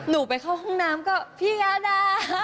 หนูไปเข้าห้องน้ำก็พี่ยาดา